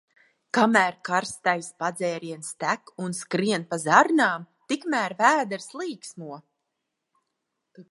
Kamēr karstais padzēriens tek un skrien pa zarnām, tikmēr vēders līksmo.